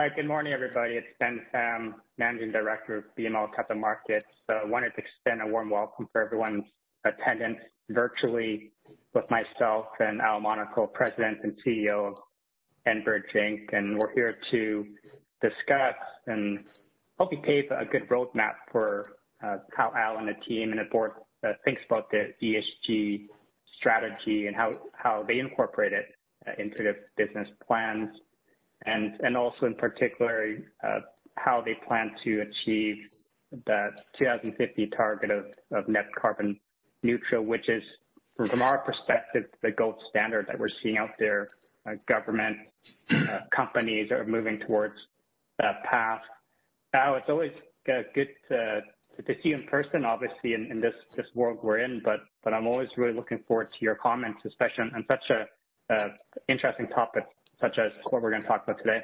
Hi. Good morning, everybody. It's Ben Pham, Managing Director of BMO Capital Markets. I wanted to extend a warm welcome for everyone's attendance virtually with myself and Al Monaco, President and CEO of Enbridge Inc. We're here to discuss and hope we paint a good roadmap for how Al and the team and the board thinks about the ESG strategy and how they incorporate it into their business plans. Also in particular, how they plan to achieve that 2050 target of net carbon neutral, which is, from our perspective, the gold standard that we're seeing out there. Government, companies are moving towards that path. Al, it's always good to see you in person, obviously, in this world we're in, but I'm always really looking forward to your comments, especially on such an interesting topic such as what we're going to talk about today.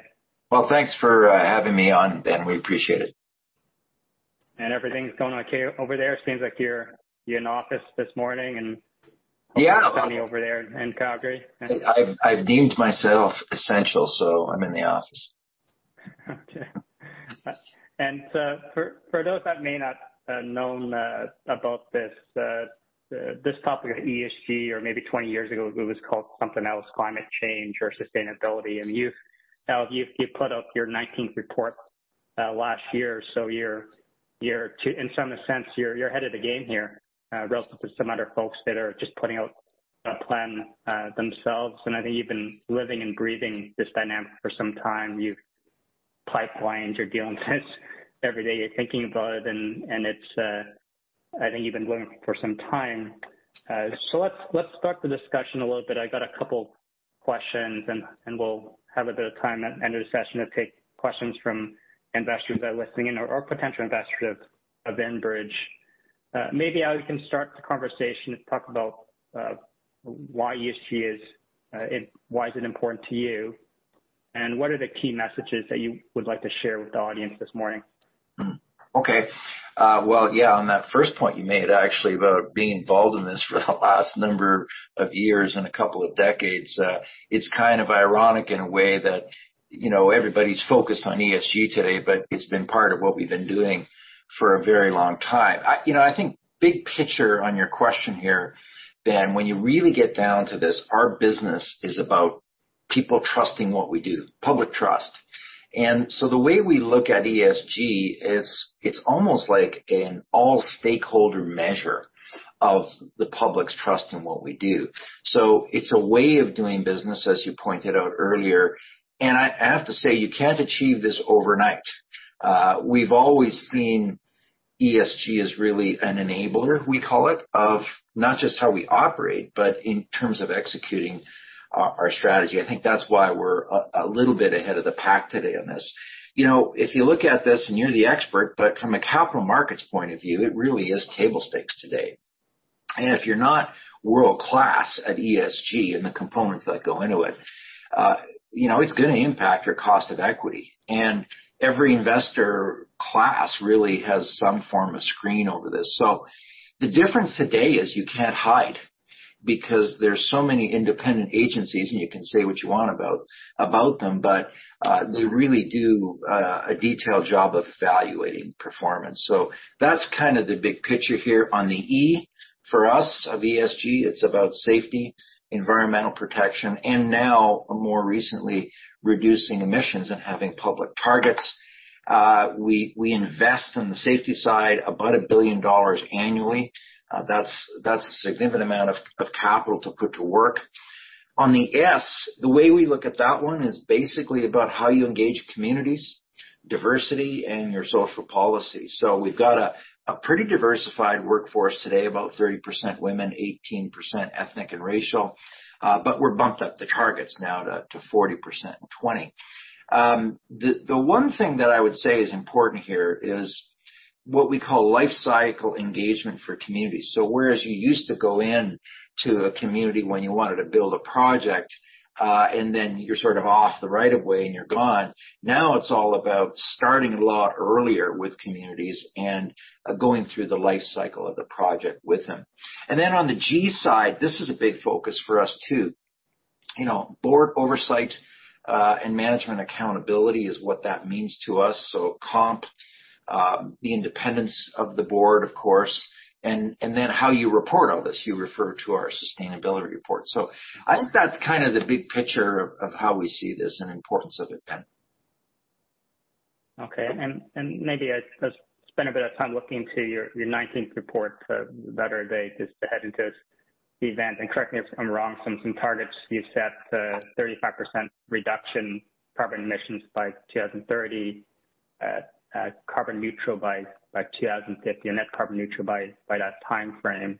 Well, thanks for having me on, Ben. We appreciate it. Everything's going okay over there? Seems like you're in office this morning and hopefully sunny over there in Calgary. I've deemed myself essential, so I'm in the office. Okay. For those that may not known about this topic of ESG or maybe 20 years ago, it was called something else, climate change or sustainability. Al, you put up your 19th report last year, so in some sense, you're ahead of the game here relative to some other folks that are just putting out a plan themselves. I think you've been living and breathing this dynamic for some time. You've pipelined, you're dealing with this everyday, thinking about it, and I think you've been doing it for some time. Let's start the discussion a little bit. I got a couple questions, and we'll have a bit of time at the end of the session to take questions from investors that are listening in or potential investors of Enbridge. Maybe, Al, we can start the conversation and talk about why is it important to you, and what are the key messages that you would like to share with the audience this morning? Well, yeah, on that first point you made, actually, about being involved in this for the last number of years and a couple of decades. It's kind of ironic in a way that everybody's focused on ESG today, but it's been part of what we've been doing for a very long time. I think big picture on your question here, Ben, when you really get down to this, our business is about people trusting what we do, public trust. The way we look at ESG is it's almost like an all stakeholder measure of the public's trust in what we do. It's a way of doing business, as you pointed out earlier, I have to say, you can't achieve this overnight. We've always seen ESG as really an enabler, we call it, of not just how we operate, but in terms of executing our strategy. I think that's why we're a little bit ahead of the pack today on this. If you look at this, you're the expert, but from a capital markets point of view, it really is table stakes today. If you're not world-class at ESG and the components that go into it's gonna impact your cost of equity. Every investor class really has some form of screen over this. The difference today is you can't hide because there's so many independent agencies, and you can say what you want about them, but they really do a detailed job of evaluating performance. That's kind of the big picture here. On the E for us of ESG, it's about safety, environmental protection, and now more recently, reducing emissions and having public targets. We invest in the safety side about 1 billion dollars annually. That's a significant amount of capital to put to work. On the S, the way we look at that one is basically about how you engage communities, diversity, and your social policy. We've got a pretty diversified workforce today, about 30% women, 18% ethnic and racial. We're bumped up the targets now to 40% and 20%. The one thing that I would say is important here is what we call life cycle engagement for communities. Whereas you used to go in to a community when you wanted to build a project, and then you're sort of off the right of way and you're gone. Now it's all about starting a lot earlier with communities and going through the life cycle of the project with them. Then on the G side, this is a big focus for us, too. Board oversight and management accountability is what that means to us. Comp, the independence of the board, of course. How you report all this. You referred to our sustainability report. I think that's kind of the big picture of how we see this and the importance of it, Ben. Okay. Maybe I spent a bit of time looking into your 19th report the other day, just ahead into this event. Correct me if I'm wrong, some targets you set, 35% reduction carbon emissions by 2030, carbon neutral by 2050, and net carbon neutral by that timeframe.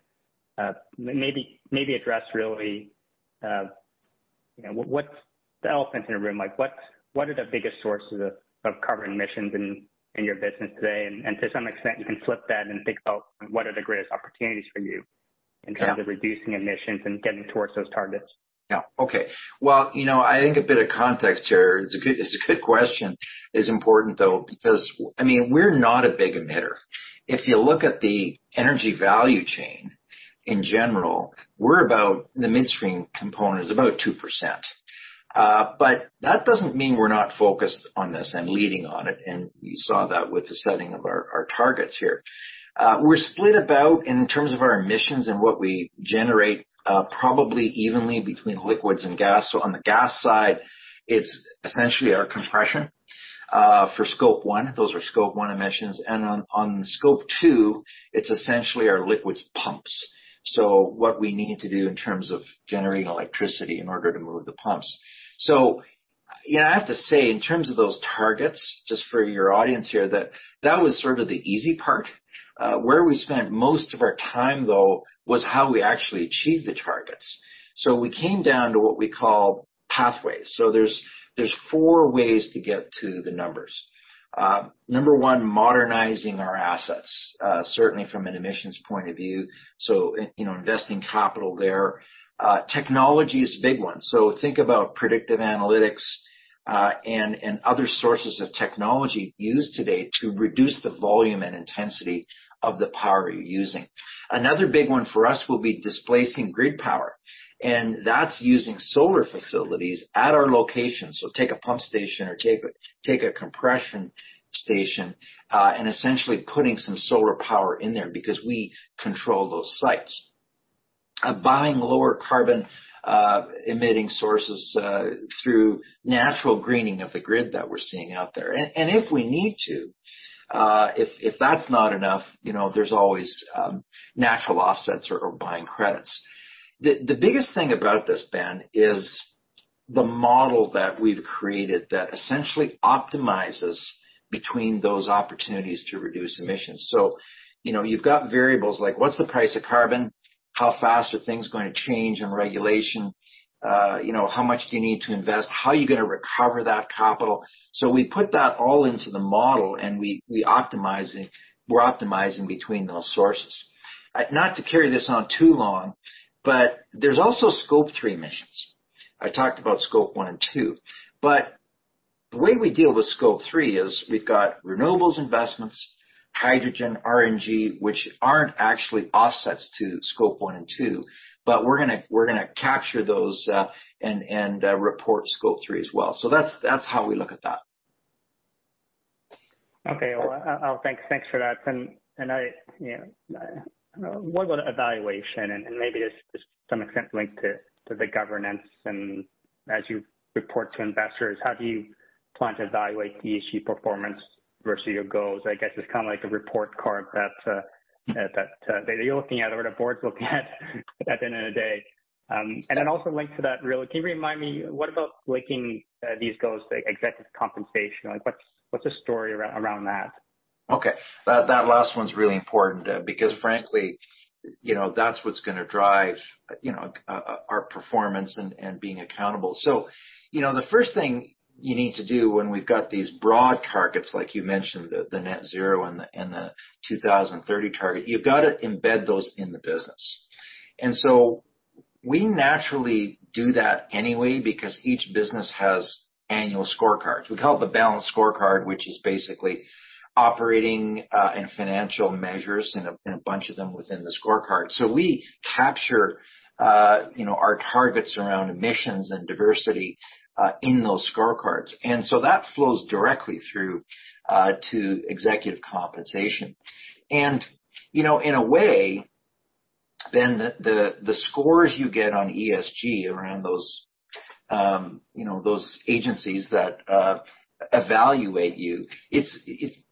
Maybe address really, what's the elephant in the room? What are the biggest sources of carbon emissions in your business today? To some extent, you can flip that and think about what are the greatest opportunities for you in terms of reducing emissions and getting towards those targets. Okay. Well, I think a bit of context here, it's a good question. It's important, though, because we're not a big emitter. If you look at the energy value chain-In general, the midstream component is about 2%. That doesn't mean we're not focused on this and leading on it, and you saw that with the setting of our targets here. We're split about, in terms of our emissions and what we generate, probably evenly between liquids and gas. On the gas side, it's essentially our compression. For Scope 1, those are Scope 1 emissions. On Scope 2, it's essentially our liquids pumps. What we need to do in terms of generating electricity in order to move the pumps. I have to say, in terms of those targets, just for your audience here, that was sort of the easy part. Where we spent most of our time, though, was how we actually achieve the targets. We came down to what we call pathways. There's four ways to get to the numbers. Number one, modernizing our assets, certainly from an emissions point of view, so investing capital there. Technology is a big one, so think about predictive analytics, and other sources of technology used today to reduce the volume and intensity of the power you're using. Another big one for us will be displacing grid power, and that's using solar facilities at our location. Take a pump station or take a compression station, and essentially putting some solar power in there because we control those sites. Buying lower carbon emitting sources through natural greening of the grid that we're seeing out there. If we need to, if that's not enough, there's always natural offsets or buying credits. The biggest thing about this, Ben, is the model that we've created that essentially optimizes between those opportunities to reduce emissions. You've got variables like what's the price of carbon? How fast are things going to change in regulation? How much do you need to invest? How are you going to recover that capital? We put that all into the model, and we're optimizing between those sources. Not to carry this on too long, there's also Scope 3 emissions. I talked about Scope 1 and 2. The way we deal with Scope 3 is we've got renewables investments, hydrogen, RNG, which aren't actually offsets to Scope 1 and 2, but we're going to capture those, and report Scope 3 as well. That's how we look at that. Well, thanks for that. What about evaluation? Maybe this to some extent links to the governance and as you report to investors, how do you plan to evaluate ESG performance versus your goals? I guess it's kind of like a report card that you're looking at or the board's looking at at the end of the day. Then also linked to that really, can you remind me, what about linking these goals to executive compensation? What's the story around that? That last one's really important because frankly, that's what's going to drive our performance and being accountable. The first thing you need to do when we've got these broad targets, like you mentioned, the net-zero and the 2030 target, you've got to embed those in the business. We naturally do that anyway because each business has annual scorecards. We call it the Balanced Scorecard, which is basically operating and financial measures and a bunch of them within the scorecard. We capture our targets around emissions and diversity in those scorecards. That flows directly through to executive compensation. In a way, Ben, the scores you get on ESG around those agencies that evaluate you,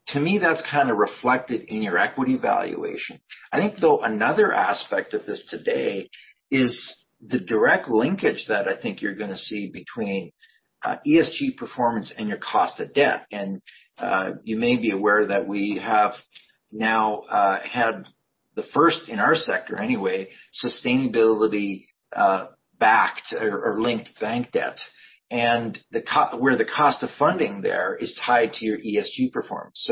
to me, that's kind of reflected in your equity valuation. I think, though, another aspect of this today is the direct linkage that I think you're going to see between ESG performance and your cost of debt. You may be aware that we have now had the first, in our sector anyway, sustainability-backed or linked bank debt, where the cost of funding there is tied to your ESG performance.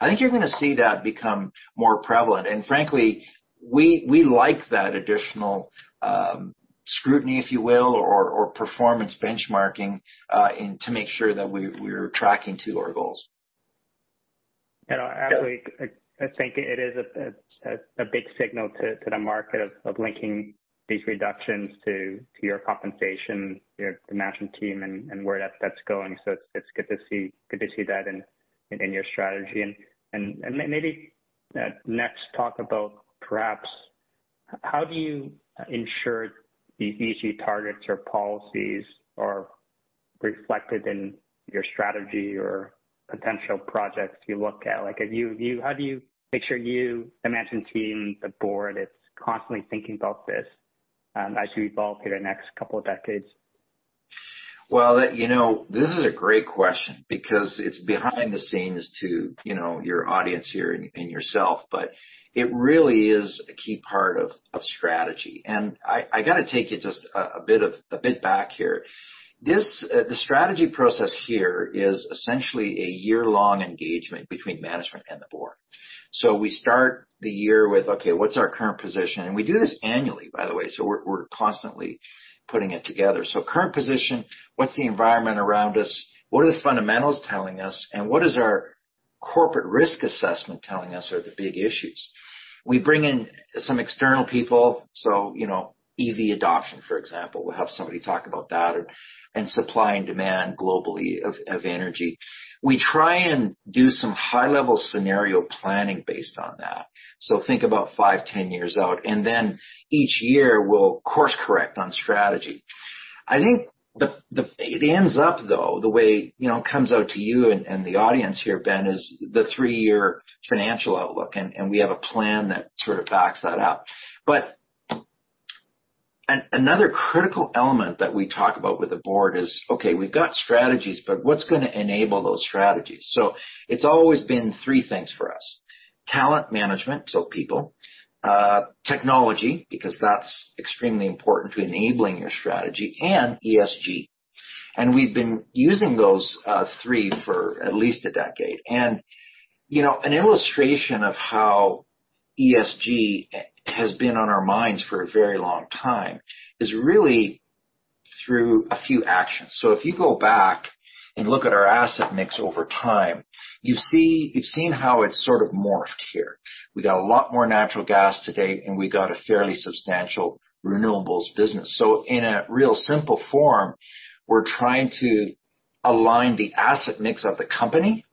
I think you're going to see that become more prevalent. Frankly, we like that additional scrutiny, if you will, or performance benchmarking to make sure that we're tracking to our goals. Actually, I think it is a big signal to the market of linking these reductions to your compensation, the management team, and where that's going. It's good to see that in your strategy. Maybe next talk about perhaps how do you ensure the ESG targets or policies are reflected in your strategy or potential projects you look at? How do you make sure you, the management team, the board, is constantly thinking about this as you evolve through the next couple of decades? Well, this is a great question because it's behind the scenes to your audience here and yourself, but it really is a key part of strategy. I got to take you just a bit back here. The strategy process here is essentially a year-long engagement between management and the board. We start the year with, okay, what's our current position? We do this annually, by the way, so we're constantly putting it together. Current position, what's the environment around us? What are the fundamentals telling us? What is our Corporate Risk Assessment telling us are the big issues. We bring in some external people, so EV adoption, for example. We'll have somebody talk about that, and supply and demand globally of energy. We try and do some high-level scenario planning based on that. Think about five, 10 years out, and then each year we'll course correct on strategy. I think it ends up, though, the way it comes out to you and the audience here, Ben, is the three-year financial outlook, and we have a plan that sort of backs that up. Another critical element that we talk about with the board is, okay, we've got strategies, but what's going to enable those strategies? It's always been three things for us. Talent management, so people, technology, because that's extremely important to enabling your strategy, and ESG. We've been using those three for at least a decade. An illustration of how ESG has been on our minds for a very long time is really through a few actions. If you go back and look at our asset mix over time, you've seen how it's sort of morphed here. We got a lot more natural gas today, and we got a fairly substantial renewables business. In a real simple form, we're trying to align the asset mix of the company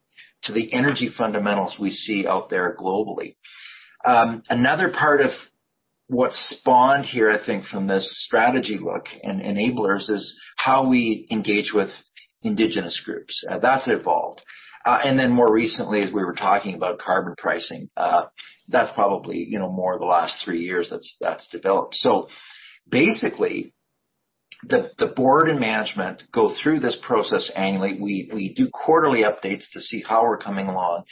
to the energy fundamentals we see out there globally. Another part of what spawned here, I think, from this strategy look and enablers is how we engage with indigenous groups. That's evolved. More recently, as we were talking about carbon pricing, that's probably more the last three years that's developed. Basically, the board and management go through this process annually. We do quarterly updates to see how we're coming along.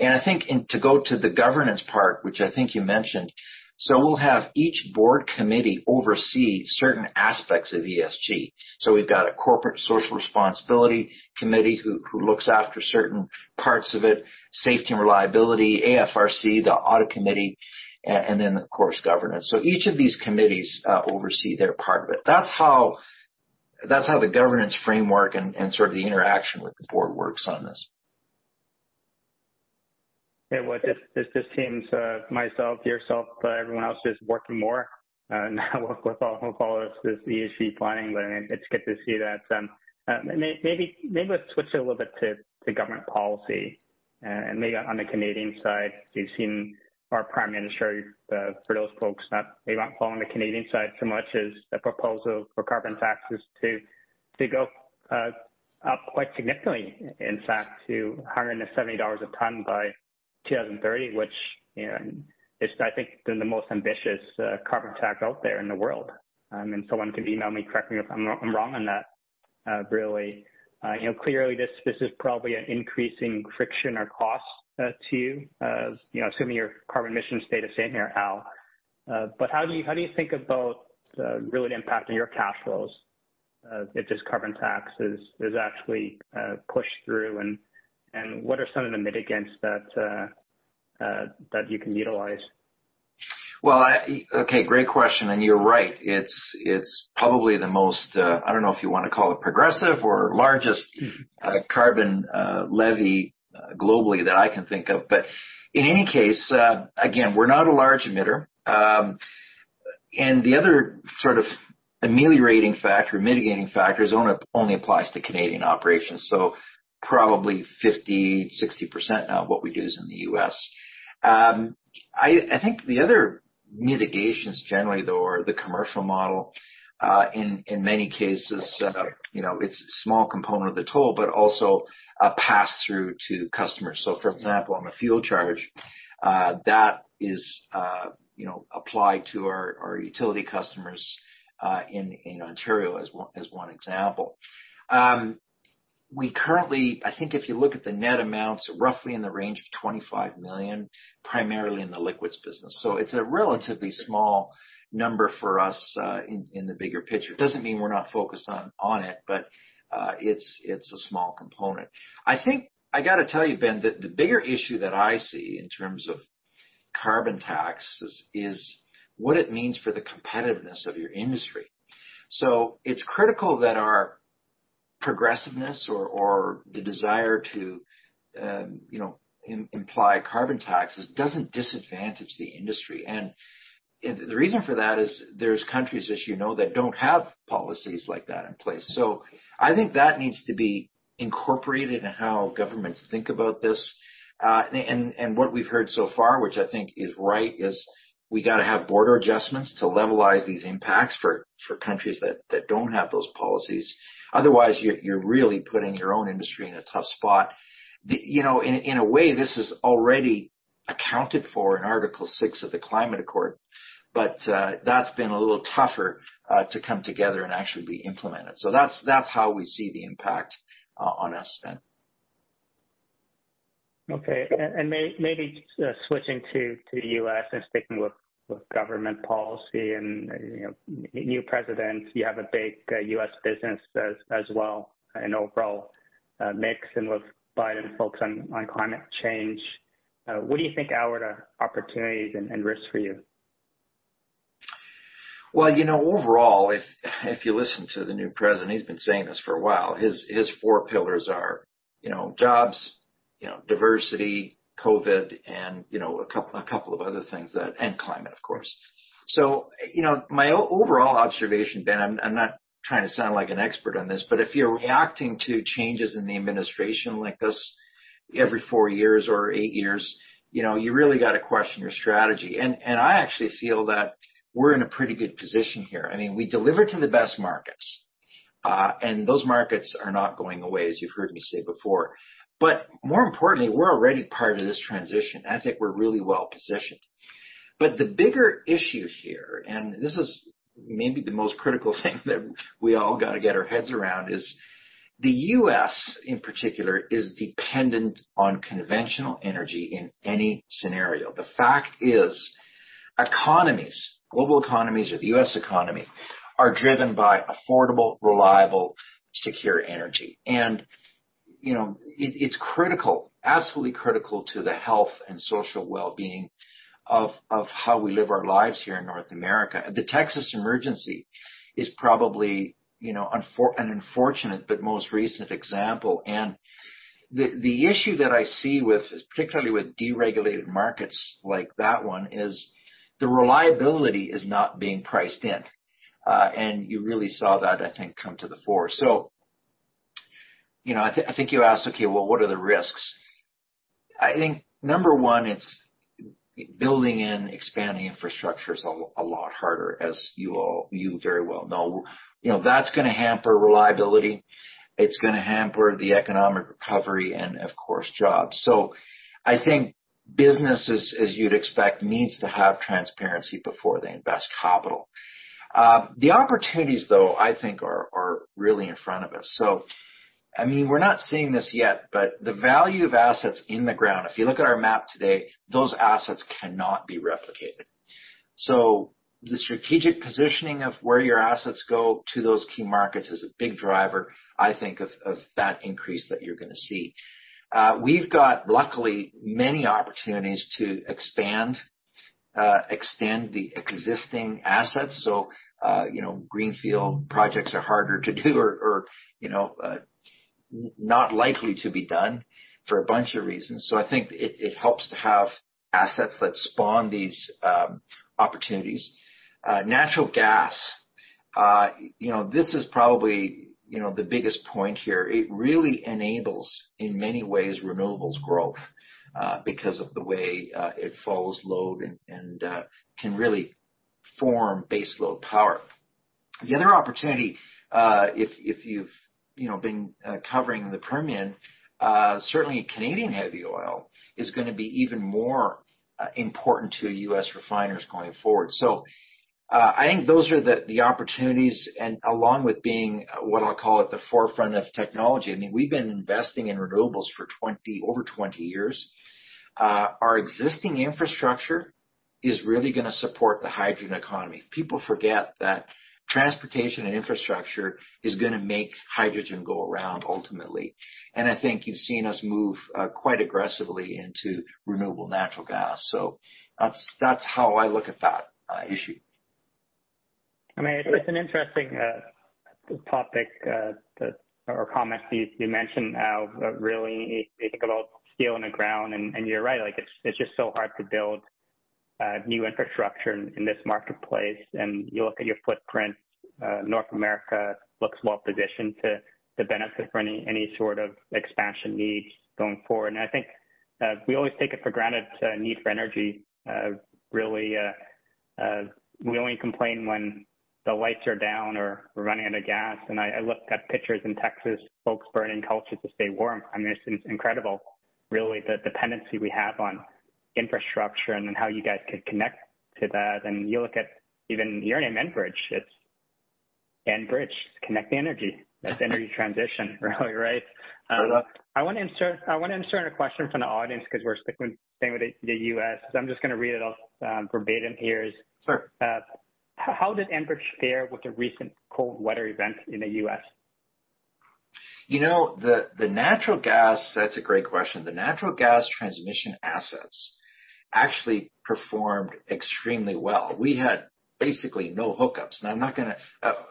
I think to go to the governance part, which I think you mentioned, so we'll have each board committee oversee certain aspects of ESG. We've got a Corporate Social Responsibility Committee who looks after certain parts of it, Safety and Reliability, AFRC, the Audit Committee, and then, of course, Governance. Each of these committees oversee their part of it. That's how the governance framework and sort of the interaction with the board works on this. It just seems, myself, yourself, everyone else is working more now with all of this ESG planning, but it's good to see that. Maybe let's switch a little bit to government policy, maybe on the Canadian side. You've seen our Prime Minister, for those folks that may not follow the Canadian side so much, is the proposal for carbon taxes to go up quite significantly, in fact, to 170 dollars a ton by 2030, which is, I think, the most ambitious carbon tax out there in the world. Someone can email me, correct me if I'm wrong on that, really. Clearly, this is probably an increasing friction or cost to you, assuming your carbon emissions stay the same here, Al. How do you think about really the impact on your cash flows if this carbon tax is actually pushed through, and what are some of the mitigants that you can utilize? Well, okay, great question. You're right. It's probably the most, I don't know if you want to call it progressive or largest carbon levy globally that I can think of. In any case, again, we're not a large emitter. The other sort of ameliorating factor, mitigating factor, is it only applies to Canadian operations. Probably 50%, 60% now of what we do is in the U.S. I think the other mitigations generally, though, are the commercial model. In many cases, it's a small component of the toll, but also a pass-through to customers. For example, on a fuel charge, that is applied to our utility customers in Ontario as one example. We currently, I think if you look at the net amounts, roughly in the range of 25 million, primarily in the liquids business. It's a relatively small number for us in the bigger picture. It doesn't mean we're not focused on it, but it's a small component. I think I got to tell you, Ben, that the bigger issue that I see in terms of carbon tax is what it means for the competitiveness of your industry. It's critical that our progressiveness or the desire to imply carbon taxes doesn't disadvantage the industry. The reason for that is there's countries, as you know, that don't have policies like that in place. I think that needs to be incorporated in how governments think about this. What we've heard so far, which I think is right, is we got to have border adjustments to levelize these impacts for countries that don't have those policies. Otherwise, you're really putting your own industry in a tough spot. In a way, this is already accounted for in Article 6 of the Climate Accord, but that's been a little tougher to come together and actually be implemented. That's how we see the impact on us, Ben. Okay. Maybe switching to the U.S. and sticking with government policy and new presidents. You have a big U.S. business as well, an overall mix, and with Biden's focus on climate change, what do you think Al are the opportunities and risks for you? Well, overall, if you listen to the new president, he's been saying this for a while, his four pillars are jobs, diversity, COVID, and a couple of other things, and climate, of course. My overall observation, Ben, I'm not trying to sound like an expert on this, but if you're reacting to changes in the administration like this every four years or eight years, you really got to question your strategy. I actually feel that we're in a pretty good position here. We deliver to the best markets, and those markets are not going away, as you've heard me say before. More importantly, we're already part of this transition. I think we're really well-positioned. The bigger issue here, and this is maybe the most critical thing that we all got to get our heads around, is the U.S., in particular, is dependent on conventional energy in any scenario. The fact is, economies, global economies or the U.S. economy, are driven by affordable, reliable, secure energy. It's critical, absolutely critical to the health and social wellbeing of how we live our lives here in North America. The Texas emergency is probably an unfortunate, but most recent example. The issue that I see, particularly with deregulated markets like that one, is the reliability is not being priced in. You really saw that, I think, come to the fore. I think you asked, okay, well, what are the risks? I think number one, it's building and expanding infrastructure is a lot harder, as you very well know. That's going to hamper reliability, it's going to hamper the economic recovery, and of course, jobs. I think businesses, as you'd expect, needs to have transparency before they invest capital. The opportunities, though, I think, are really in front of us. We're not seeing this yet, but the value of assets in the ground, if you look at our map today, those assets cannot be replicated. The strategic positioning of where your assets go to those key markets is a big driver, I think, of that increase that you're going to see. We've got, luckily, many opportunities to expand, extend the existing assets. Greenfield projects are harder to do or not likely to be done for a bunch of reasons. I think it helps to have assets that spawn these opportunities. Natural gas. This is probably the biggest point here. It really enables, in many ways, renewables growth, because of the way it follows load and can really form base load power. The other opportunity, if you've been covering the Permian, certainly Canadian heavy oil is going to be even more important to U.S. refiners going forward. I think those are the opportunities and along with being what I'll call at the forefront of technology, we've been investing in renewables for over 20 years. Our existing infrastructure is really going to support the hydrogen economy. People forget that transportation and infrastructure is going to make hydrogen go around ultimately. I think you've seen us move quite aggressively into renewable natural gas. That's how I look at that issue. It's an interesting topic or comment you mentioned Al of really, if you think about steel in the ground, and you're right, it's just so hard to build new infrastructure in this marketplace. You look at your footprint, North America looks well-positioned to benefit from any sort of expansion needs going forward. I think we always take it for granted, the need for energy, really. We only complain when the lights are down or we're running out of gas. I looked at pictures in Texas, folks burning coal just to stay warm. It's incredible, really, the dependency we have on infrastructure and then how you guys could connect to that. You look at even your name, Enbridge. It's Enbridge, connect the energy. That's energy transition. Right? I want to insert a question from the audience because we're sticking with staying with the U.S. I'm just going to read it off verbatim here. Sure. How did Enbridge fare with the recent cold weather event in the U.S.? That's a great question. The natural gas transmission assets actually performed extremely well. We had basically no hookups,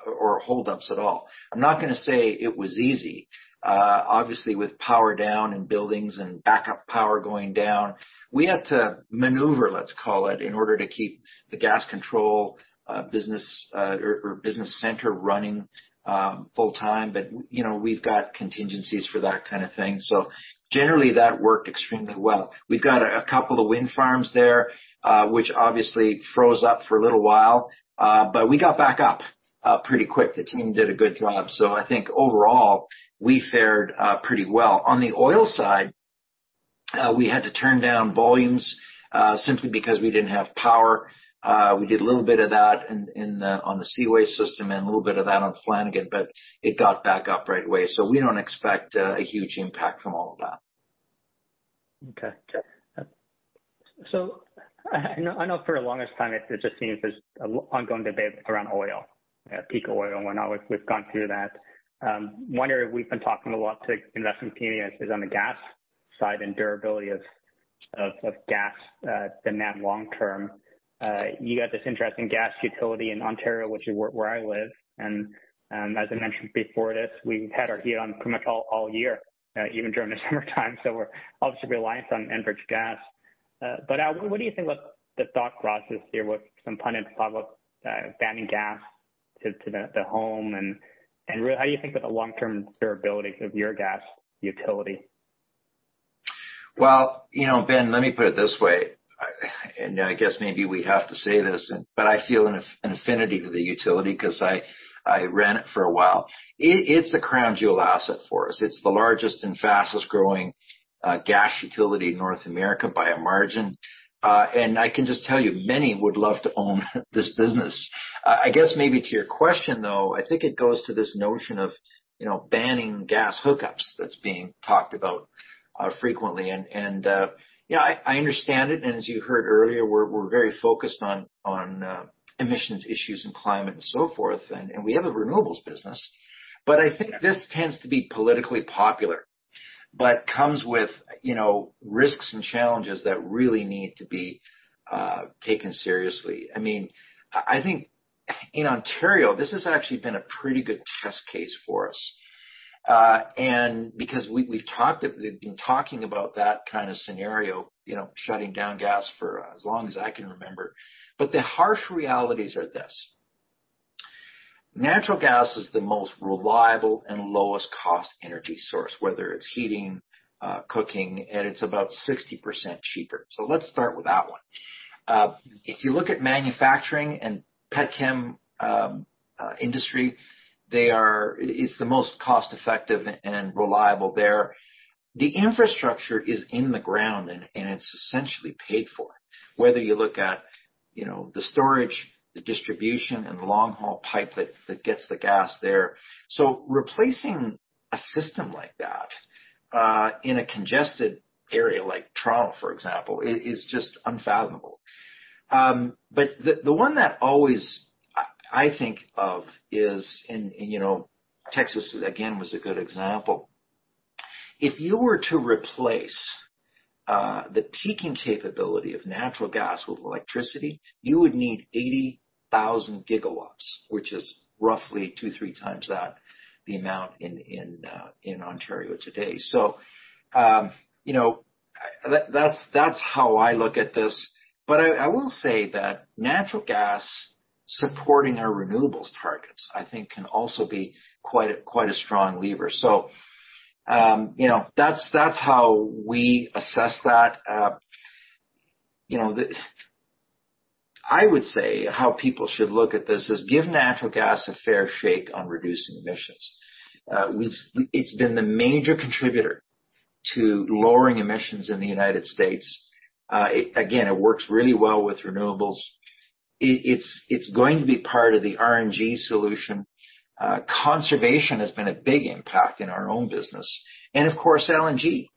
or holdups at all. I'm not going to say it was easy. Obviously, with power down in buildings and backup power going down, we had to maneuver, let's call it, in order to keep the gas control business or business center running full time. We've got contingencies for that kind of thing. Generally, that worked extremely well. We've got a couple of wind farms there, which obviously froze up for a little while, but we got back up pretty quick. The team did a good job. I think overall, we fared pretty well. On the oil side, we had to turn down volumes, simply because we didn't have power. We did a little bit of that on the Seaway system and a little bit of that on Flanagan, but it got back up right away. We don't expect a huge impact from all of that. I know for the longest time, it just seems there's an ongoing debate around oil, peak oil and whatnot. We've gone through that. One area we've been talking a lot to investment community is on the gas side and durability of gas demand long term. You got this interesting gas utility in Ontario, which is where I live, and as I mentioned before this, we've had our heat on pretty much all year, even during the summertime. We're obviously reliant on Enbridge Gas. What do you think about the thought process here with some pundits talk about banning gas to the home and how do you think about the long-term durability of your gas utility? Ben, let me put it this way, I guess maybe we have to say this, but I feel an affinity to the utility because I ran it for a while. It's a crown jewel asset for us. It's the largest and fastest-growing gas utility in North America by a margin. I can just tell you, many would love to own this business. I guess maybe to your question, though, I think it goes to this notion of banning gas hookups that's being talked about frequently. Yeah, I understand it, as you heard earlier, we're very focused on emissions issues and climate and so forth, and we have a renewables business. I think this tends to be politically popular, but comes with risks and challenges that really need to be taken seriously. I think in Ontario, this has actually been a pretty good test case for us. Because we've been talking about that kind of scenario, shutting down gas, for as long as I can remember. The harsh realities are this. Natural gas is the most reliable and lowest cost energy source, whether it's heating, cooking, and it's about 60% cheaper. Let's start with that one. If you look at manufacturing and petchem industry, it's the most cost-effective and reliable there. The infrastructure is in the ground, and it's essentially paid for, whether you look at the storage, the distribution, and the long-haul pipe that gets the gas there. Replacing a system like that in a congested area like Toronto, for example, is just unfathomable. The one that I always think of is, Texas again was a good example. If you were to replace the peaking capability of natural gas with electricity, you would need 80,000 GW, which is roughly 2x, 3x that the amount in Ontario today. That's how I look at this. I will say that natural gas supporting our renewables targets, I think can also be quite a strong lever. That's how we assess that. I would say how people should look at this is give natural gas a fair shake on reducing emissions. It's been the major contributor to lowering emissions in the U.S. Again, it works really well with renewables. It's going to be part of the RNG solution. Conservation has been a big impact in our own business, and of course, LNG.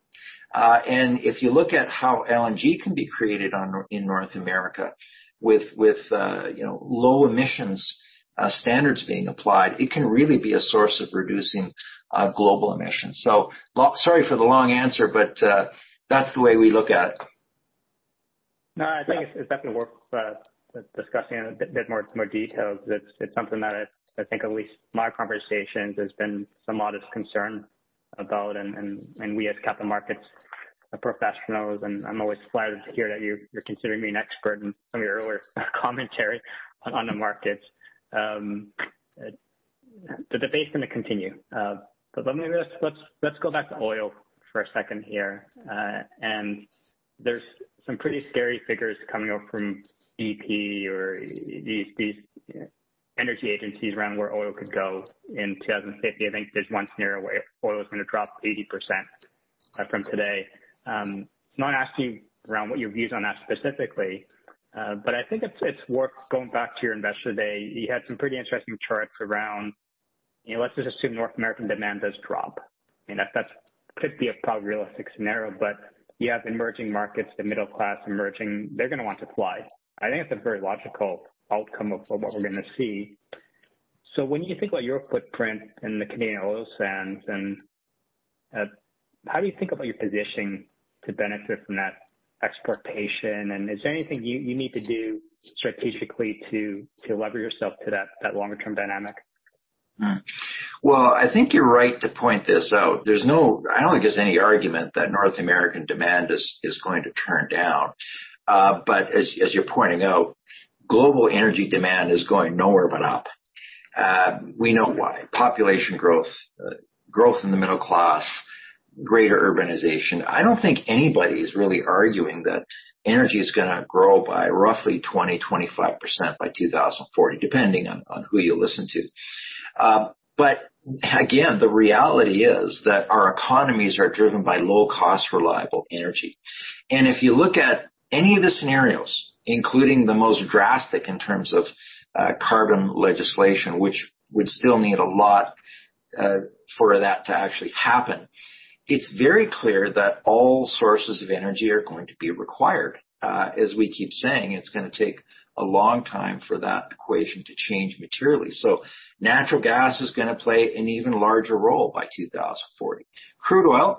If you look at how LNG can be created in North America with low emissions standards being applied, it can really be a source of reducing global emissions. Sorry for the long answer, but that's the way we look at it. No, I think it's definitely worth discussing in a bit more detail. It's something that I think, at least my conversations, there's been some modest concern about, and we as capital markets professionals, and I'm always flattered to hear that you're considering me an expert in some of your earlier commentary on the markets. The debate's going to continue. Let's go back to oil for a second here. There's some pretty scary figures coming out from BP or these energy agencies around where oil could go in 2050. I think there's one scenario where oil is going to drop 80% from today. Not asking around what your views on that specifically. I think it's worth going back to your Investor Day. You had some pretty interesting charts around, let's just assume North American demand does drop, and that could be a probably realistic scenario, but you have emerging markets, the middle class emerging, they're going to want to fly. I think that's a very logical outcome of what we're going to see. When you think about your footprint in the Canadian oil sands, how do you think about your positioning to benefit from that expectation, and is there anything you need to do strategically to lever yourself to that longer-term dynamic? Well, I think you're right to point this out. I don't think there's any argument that North American demand is going to turn down. As you're pointing out, global energy demand is going nowhere but up. We know why. Population growth in the middle class, greater urbanization. I don't think anybody is really arguing that energy is gonna grow by roughly 20%-25% by 2040, depending on who you listen to. Again, the reality is that our economies are driven by low-cost, reliable energy. If you look at any of the scenarios, including the most drastic in terms of carbon legislation, which would still need a lot for that to actually happen, it's very clear that all sources of energy are going to be required. As we keep saying, it's gonna take a long time for that equation to change materially. Natural gas is gonna play an even larger role by 2040. Crude oil,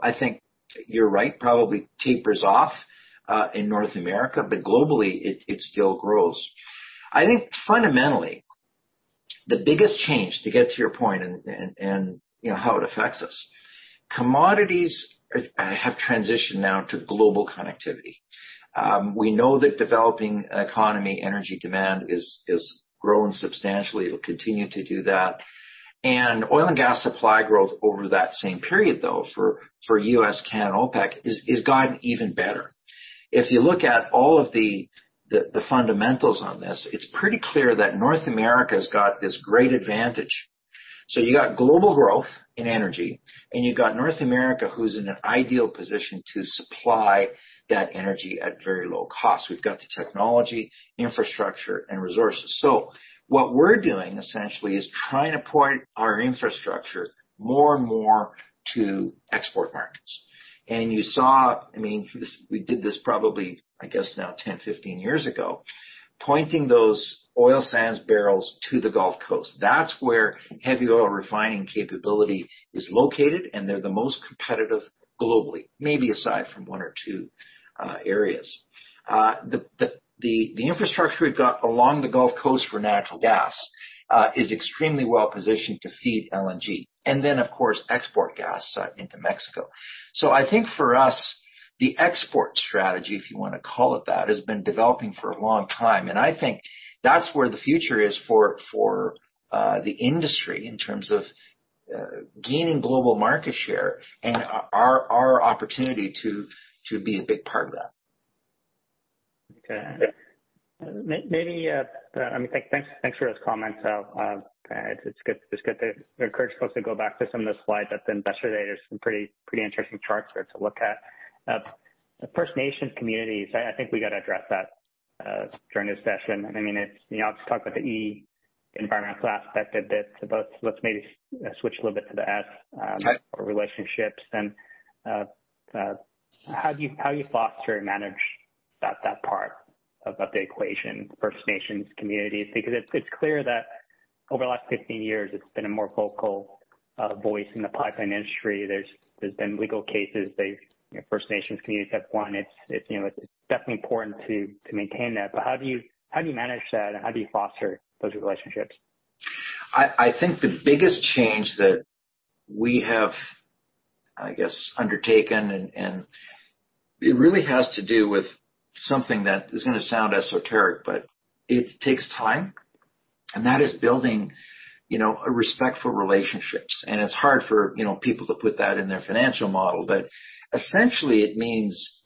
you're right, probably tapers off in North America, but globally, it still grows. I think fundamentally, the biggest change, to get to your point and how it affects us, commodities have transitioned now to global connectivity. We know that developing economy energy demand is growing substantially. It'll continue to do that. Oil and gas supply growth over that same period, though, for U.S., Canada, and OPEC, has gotten even better. If you look at all of the fundamentals on this, it's pretty clear that North America's got this great advantage. You got global growth in energy, and you've got North America, who's in an ideal position to supply that energy at very low cost. We've got the technology, infrastructure, and resources. What we're doing, essentially, is trying to point our infrastructure more and more to export markets. You saw, we did this probably, I guess, now 10, 15 years ago, pointing those oil sands barrels to the Gulf Coast. That's where heavy oil refining capability is located, and they're the most competitive globally, maybe aside from one or two areas. The infrastructure we've got along the Gulf Coast for natural gas is extremely well-positioned to feed LNG, and then, of course, export gas into Mexico. I think for us, the export strategy, if you want to call it that, has been developing for a long time. I think that's where the future is for the industry in terms of gaining global market share and our opportunity to be a big part of that. Okay. Thanks for those comments, though. It's good to encourage folks to go back to some of the slides at the investor day. There's some pretty interesting charts there to look at. First Nations communities, I think we got to address that during this session. I've talked about the E, environmental aspect a bit. Let's maybe switch a little bit to the S for relationships then. How do you foster and manage that part of the equation? First Nations communities? It's clear that over the last 15 years, it's been a more vocal voice in the pipeline industry. There's been legal cases the First Nations communities have won. It's definitely important to maintain that. How do you manage that? How do you foster those relationships? I think the biggest change that we have, I guess, undertaken, and it really has to do with something that is going to sound esoteric, but it takes time, and that is building respectful relationships. It's hard for people to put that in their financial model. Essentially, it means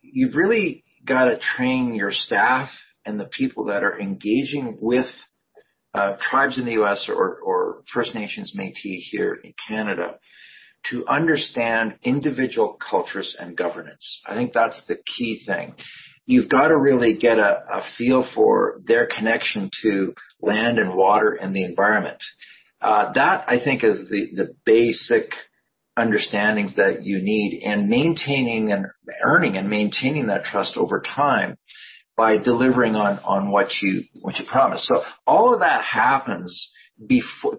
you've really got to train your staff and the people that are engaging with tribes in the U.S. or First Nations, Métis here in Canada to understand individual cultures and governance. I think that's the key thing. You've got to really get a feel for their connection to land and water and the environment. That, I think, is the basic understandings that you need, and earning and maintaining that trust over time by delivering on what you promise. All of that happens.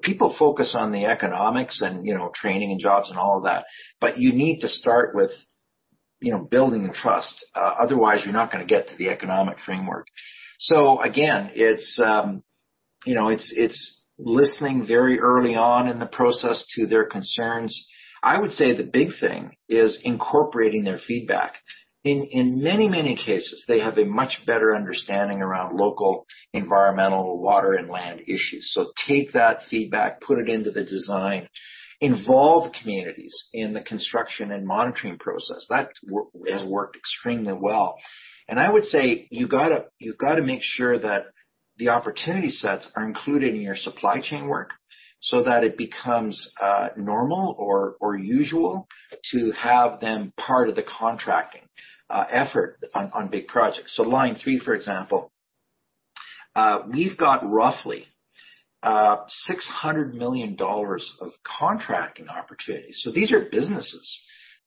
People focus on the economics and training and jobs and all of that, but you need to start with building trust. Otherwise, you're not going to get to the economic framework. Again, it's listening very early on in the process to their concerns. I would say the big thing is incorporating their feedback. In many, many cases, they have a much better understanding around local environmental water and land issues. Take that feedback, put it into the design. Involve communities in the construction and monitoring process. That has worked extremely well. I would say you've got to make sure that the opportunity sets are included in your supply chain work so that it becomes normal or usual to have them part of the contracting effort on big projects. Line 3, for example, we've got roughly 600 million dollars of contracting opportunities. These are businesses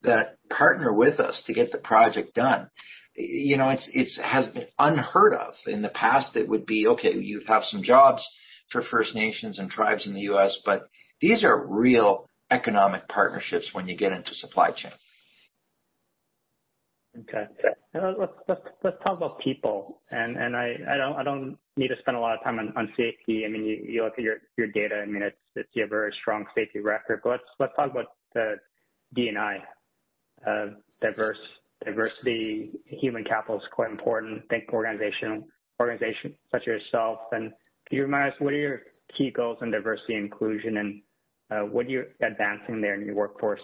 that partner with us to get the project done. It has been unheard of. In the past, it would be, okay, you'd have some jobs for First Nations and tribes in the U.S., but these are real economic partnerships when you get into supply chain. Let's talk about people. I don't need to spend a lot of time on safety. You look at your data, you have a very strong safety record. Let's talk about the D&I. Diversity, human capital is quite important to an organization such as yourself. Can you remind us what are your key goals in diversity and inclusion, and what are you advancing there in your workforce?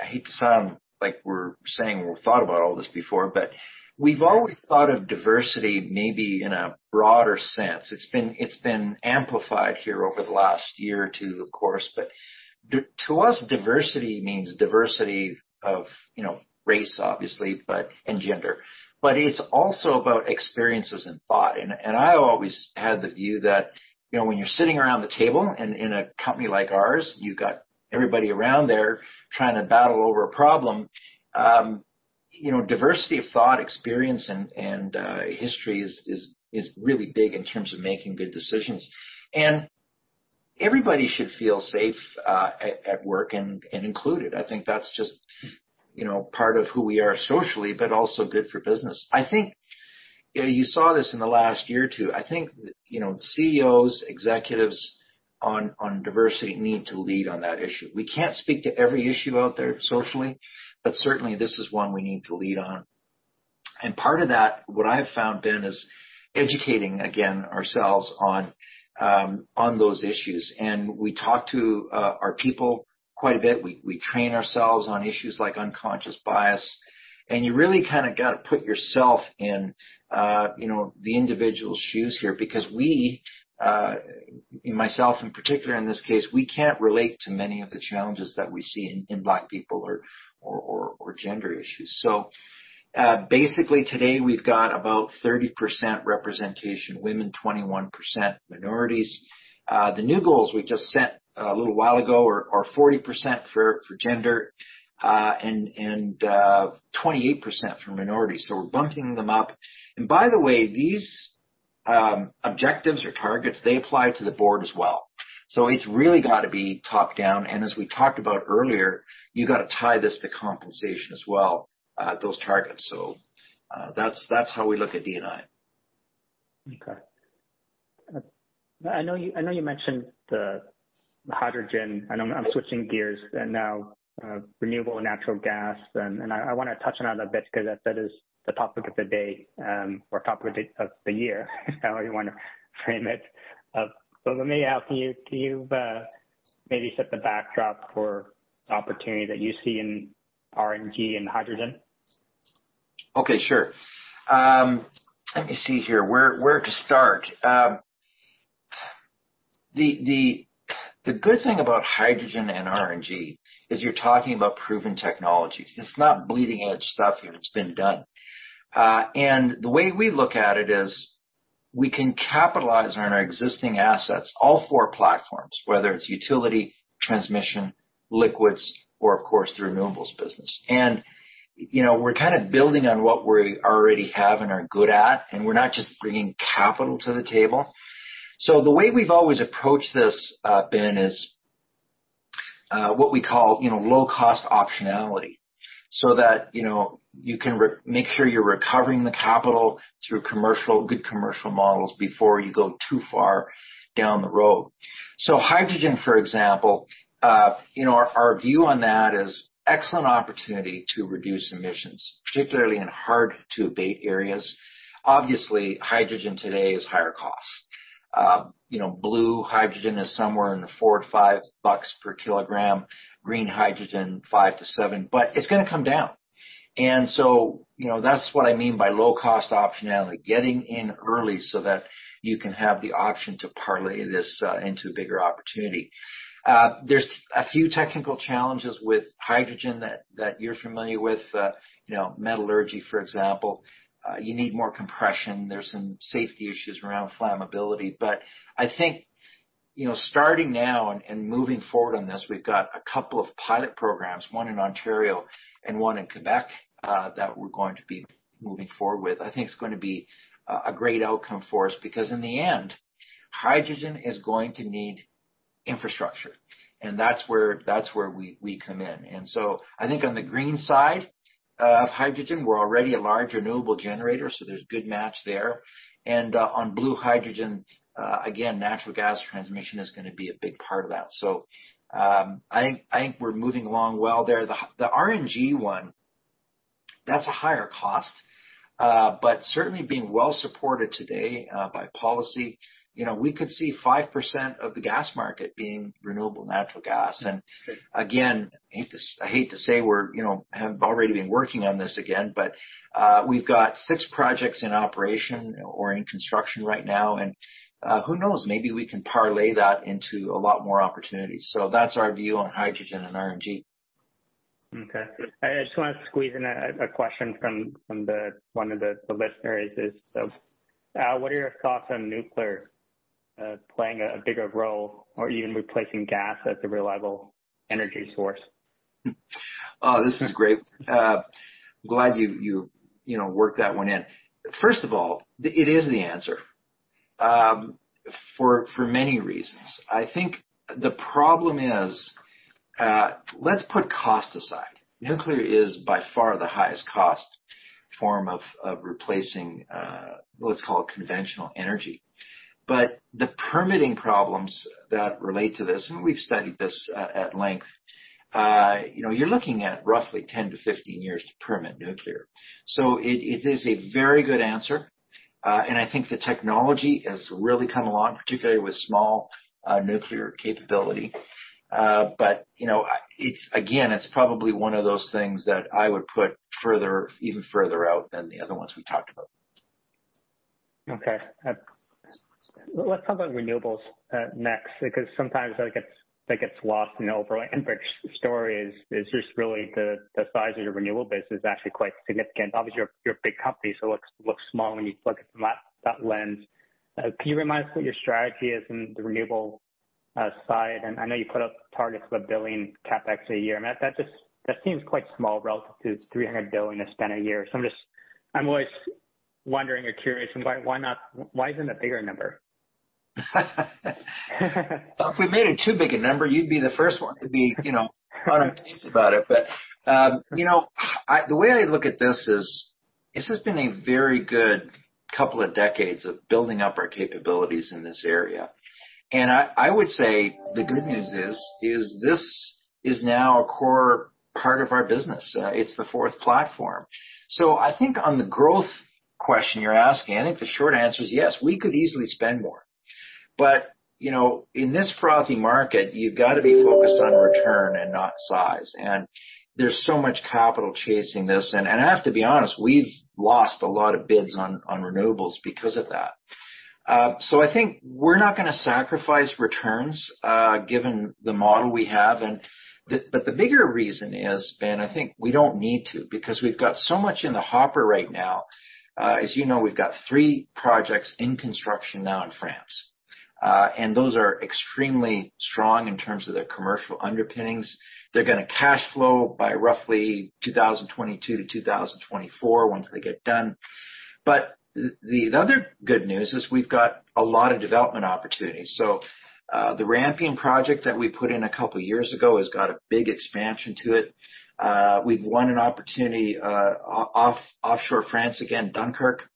I hate to sound like we're saying we thought about all this before, but we've always thought of diversity maybe in a broader sense. It's been amplified here over the last year or two, of course. To us, diversity means diversity of race, obviously, and gender. It's also about experiences and thought. I always had the view that when you're sitting around the table in a company like ours, you got everybody around there trying to battle over a problem. Diversity of thought, experience, and history is really big in terms of making good decisions. Everybody should feel safe at work and included. I think that's just part of who we are socially, but also good for business. I think you saw this in the last year or two. I think CEOs, executives on diversity need to lead on that issue. We can't speak to every issue out there socially, but certainly this is one we need to lead on. Part of that, what I have found, Ben, is educating, again, ourselves on those issues. We talk to our people quite a bit. We train ourselves on issues like unconscious bias, and you really got to put yourself in the individual's shoes here because we, myself in particular, in this case, we can't relate to many of the challenges that we see in Black people or gender issues. Basically today we've got about 30% representation women, 21% minorities. The new goals we just set a little while ago are 40% for gender, and 28% for minorities. We're bumping them up. By the way, these objectives or targets, they apply to the board as well. It's really got to be top-down. As we talked about earlier, you got to tie this to compensation as well, those targets. That's how we look at D&I. Okay. I know you mentioned the hydrogen, I'm switching gears now, renewable natural gas. I want to touch on that a bit because that is the topic of the day, or topic of the year, however you want to frame it. Let me ask you, can you maybe set the backdrop for opportunity that you see in RNG and hydrogen? Okay, sure. Let me see here where to start. The good thing about hydrogen and RNG is you're talking about proven technologies. It's not bleeding-edge stuff here. It's been done. The way we look at it is we can capitalize on our existing assets, all four platforms, whether it's utility, transmission, liquids, or of course, the renewables business. We're kind of building on what we already have and are good at, and we're not just bringing capital to the table. The way we've always approached this, Ben, is what we call low-cost optionality, so that you can make sure you're recovering the capital through good commercial models before you go too far down the road. Hydrogen, for example, our view on that is excellent opportunity to reduce emissions, particularly in hard-to-abate areas. Obviously, hydrogen today is higher cost. Blue hydrogen is somewhere in the 4-5 bucks per kilogram, green hydrogen, 5-7 per kilogram. It's going to come down. That's what I mean by low-cost optionality, getting in early so that you can have the option to parlay this into a bigger opportunity. There's a few technical challenges with hydrogen that you're familiar with, metallurgy, for example. You need more compression. There's some safety issues around flammability. I think starting now and moving forward on this, we've got a couple of pilot programs, one in Ontario and one in Quebec, that we're going to be moving forward with. I think it's going to be a great outcome for us because in the end, hydrogen is going to need infrastructure. That's where we come in. I think on the green side of hydrogen, we're already a large renewable generator, so there's a good match there. On blue hydrogen, again, natural gas transmission is going to be a big part of that. I think we're moving along well there. The RNG one, that's a higher cost. Certainly being well supported today by policy, we could see 5% of the gas market being renewable natural gas. Again, I hate to say we have already been working on this again, but we've got six projects in operation or in construction right now. Who knows? Maybe we can parlay that into a lot more opportunities. That's our view on hydrogen and RNG. Okay. I just want to squeeze in a question from one of the listeners, what are your thoughts on nuclear playing a bigger role or even replacing gas as a reliable energy source? Oh, this is great. Glad you worked that one in. First of all, it is the answer, for many reasons. I think the problem is, let's put cost aside. Nuclear is by far the highest cost form of replacing let's call it conventional energy. The permitting problems that relate to this, and we've studied this at length, you're looking at roughly 10-15 years to permit nuclear. It is a very good answer, and I think the technology has really come along, particularly with small nuclear capability. Again, it's probably one of those things that I would put even further out than the other ones we talked about. Okay. Let's talk about renewables next, because sometimes that gets lost in the overall Enbridge story is just really the size of your renewable business is actually quite significant. Obviously, you're a big company, so it looks small when you look at it from that lens. Can you remind us what your strategy is in the renewable space side, and I know you put up targets of 1 billion CapEx a year. That seems quite small relative to 3 billion you spend a year. I'm always wondering or curious, why isn't it a bigger number? If we made it too big a number, you'd be the first one to be, you know, upset about it. The way I look at this is, this has been a very good couple of decades of building up our capabilities in this area. I would say the good news is, this is now a core part of our business. It's the fourth platform. I think on the growth question you're asking, I think the short answer is yes, we could easily spend more. In this frothy market, you've got to be focused on return and not size. There's so much capital chasing this, and I have to be honest, we've lost a lot of bids on renewables because of that. I think we're not going to sacrifice returns given the model we have. The bigger reason is, Ben, I think we don't need to, because we've got so much in the hopper right now. As you know, we've got three projects in construction now in France. Those are extremely strong in terms of their commercial underpinnings. They're going to cash flow by roughly 2022 to 2024 once they get done. The other good news is we've got a lot of development opportunities. The Rampion project that we put in a couple of years ago has got a big expansion to it. We've won an opportunity offshore France again, Dunkirk.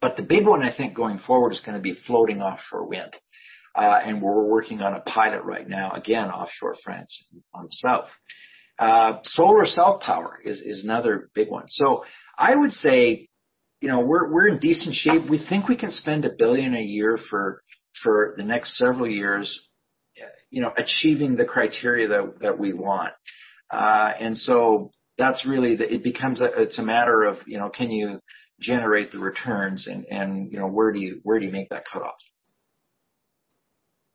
The big one, I think going forward is going to be floating offshore wind. We're working on a pilot right now, again, offshore France on the south. Solar self-power is another big one. I would say, we're in decent shape. We think we can spend 1 billion a year for the next several years achieving the criteria that we want. It's a matter of can you generate the returns and where do you make that cutoff?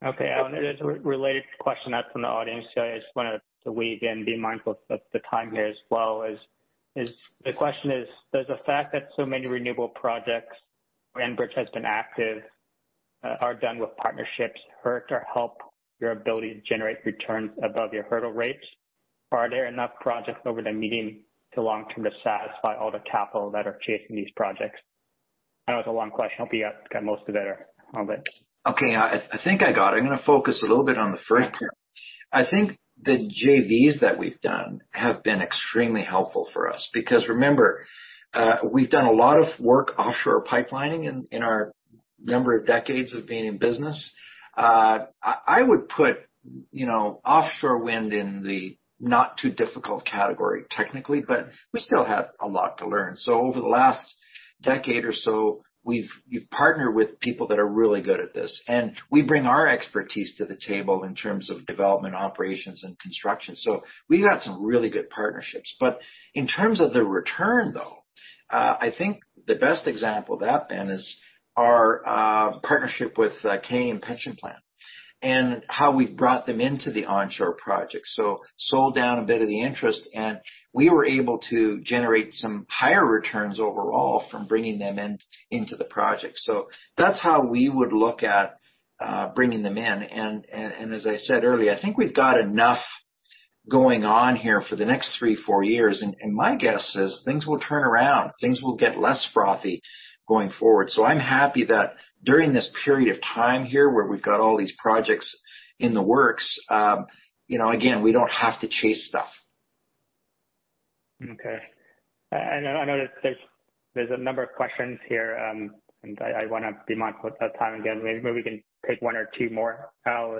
Okay. There's a related question from the audience here. I just wanted to weave in, being mindful of the time here as well. The question is, does the fact that so many renewable projects where Enbridge has been active are done with partnerships hurt or help your ability to generate returns above your hurdle rates? Are there enough projects over the medium to long-term to satisfy all the capital that are chasing these projects? I know it's a long question. Hopefully I got most of it or all of it. Okay. I think I got it. I'm going to focus a little bit on the first part. I think the JVs that we've done have been extremely helpful for us because remember, we've done a lot of work offshore pipelining in our number of decades of being in business. I would put offshore wind in the not too difficult category, technically, but we still have a lot to learn. Over the last decade or so, we've partnered with people that are really good at this, and we bring our expertise to the table in terms of development, operations, and construction. We've got some really good partnerships, but in terms of the return, though, I think the best example of that, Ben, is our partnership with Canada Pension Plan and how we've brought them into the onshore project. Sold down a bit of the interest, and we were able to generate some higher returns overall from bringing them into the project. That's how we would look at bringing them in. As I said earlier, I think we've got enough going on here for the next three, four years, and my guess is things will turn around. Things will get less frothy going forward. I'm happy that during this period of time here, where we've got all these projects in the works, again, we don't have to chase stuff. Okay. I know that there's a number of questions here, and I want to be mindful of time. Again, maybe we can take one or two more. Al.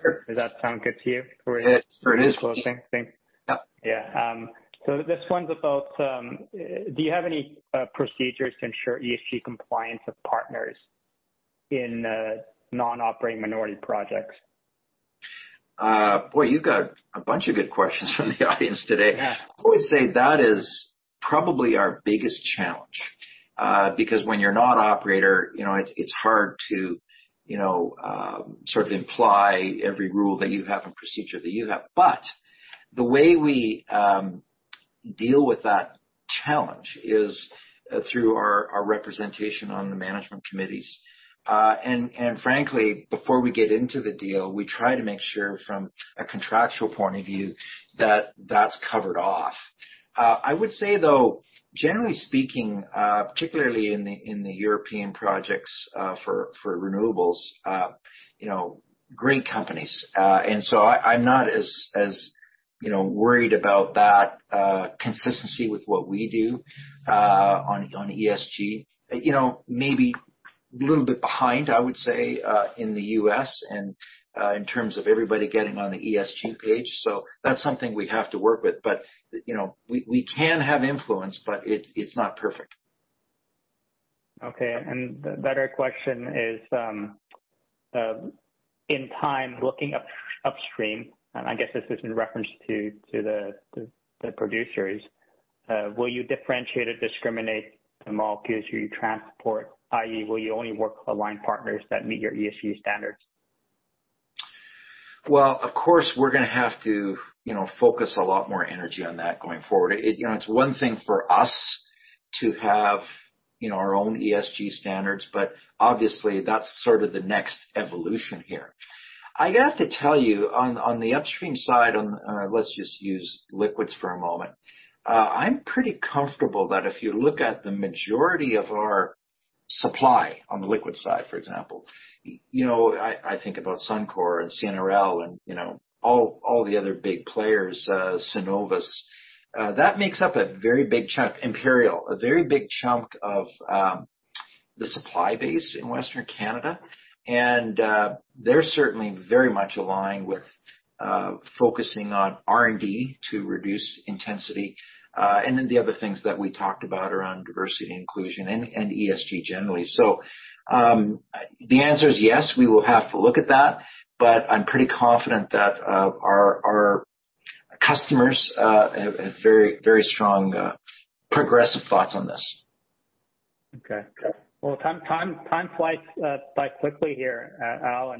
Sure. Does that sound good to you? It is. Before closing? Thanks. Yeah. Yeah. This one's about, do you have any procedures to ensure ESG compliance of partners in non-operating minority projects? Boy, you got a bunch of good questions from the audience today. Yeah. I would say that is probably our biggest challenge. When you're not operator, it's hard to sort of imply every rule that you have and procedure that you have. The way we deal with that challenge is through our representation on the management committees. Frankly, before we get into the deal, we try to make sure from a contractual point of view that that's covered off. I would say, though, generally speaking, particularly in the European projects, for renewables, great companies. I'm not as worried about that consistency with what we do on ESG. Maybe a little bit behind, I would say, in the U.S. and in terms of everybody getting on the ESG page. That's something we have to work with. We can have influence, but it's not perfect. Okay. The better question is, in time, looking upstream, and I guess this is in reference to the producers, will you differentiate or discriminate among peers you transport, i.e., will you only work with aligned partners that meet your ESG standards? Well, of course, we're going to have to focus a lot more energy on that going forward. It's one thing for us to have our own ESG standards, but obviously, that's sort of the next evolution here. I have to tell you, on the upstream side, let's just use liquids for a moment. I'm pretty comfortable that if you look at the majority of our supply on the liquid side, for example, I think about Suncor and CNRL and all the other big players, Cenovus. That makes up a very big chunk, Imperial, a very big chunk of the supply base in Western Canada. They're certainly very much aligned with focusing on R&D to reduce intensity. The other things that we talked about around diversity and inclusion and ESG generally. The answer is yes, we will have to look at that, but I'm pretty confident that our customers have very strong progressive thoughts on this. Okay. Well, time flies by quickly here, Al.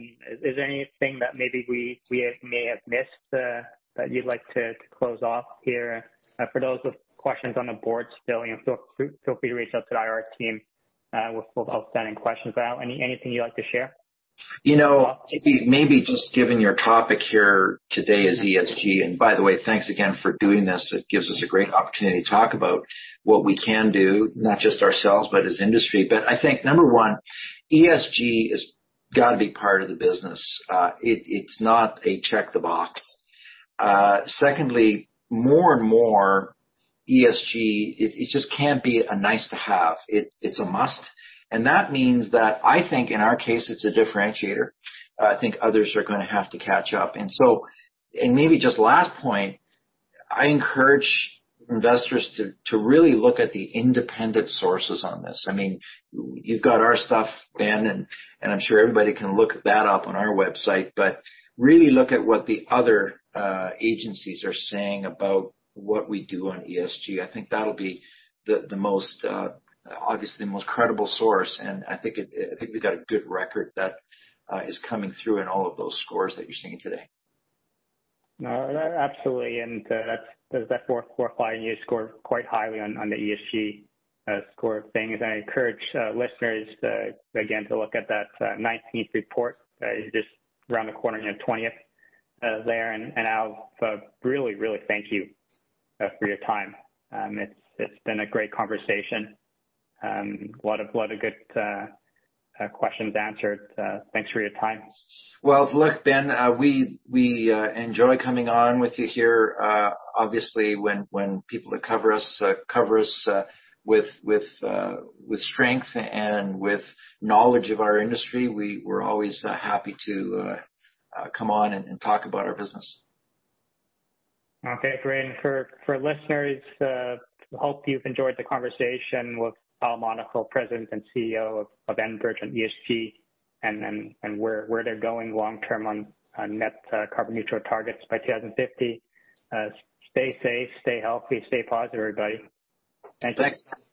Is there anything that maybe we may have missed that you'd like to close off here? For those with questions on the board still, feel free to reach out to the IR team with outstanding questions. Al, anything you'd like to share? Maybe just given your topic here today is ESG, and by the way, thanks again for doing this. It gives us a great opportunity to talk about what we can do, not just ourselves, but as industry. I think, number one, ESG has got to be part of the business. It's not a check the box. Secondly, more and more ESG, it just can't be a nice-to-have. It's a must. That means that I think in our case, it's a differentiator. I think others are going to have to catch up. Maybe just last point, I encourage investors to really look at the independent sources on this. You've got our stuff, Ben, and I'm sure everybody can look that up on our website. Really look at what the other agencies are saying about what we do on ESG. I think that'll be, obviously, the most credible source. I think we've got a good record that is coming through in all of those scores that you're seeing today. No. Absolutely, that fourth quarter flying, you scored quite highly on the ESG score thing. I encourage listeners, again, to look at that 19th report. It's just around the corner, 20th there. Al, really thank you for your time. It's been a great conversation. A lot of good questions answered. Thanks for your time. Well, look, Ben, we enjoy coming on with you here. Obviously, when people that cover us, cover us with strength and with knowledge of our industry, we're always happy to come on and talk about our business. Okay, great. For listeners, hope you've enjoyed the conversation with Al Monaco, President and CEO of Enbridge on ESG and where they're going long term on net carbon neutral targets by 2050. Stay safe, stay healthy, stay positive, everybody. Thanks.